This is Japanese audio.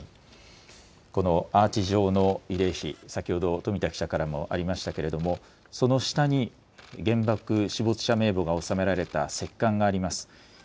このアーチ状の慰霊碑、先ほど富田記者からもありましたけれどもその下に原爆死没者名簿が納められた石棺があります。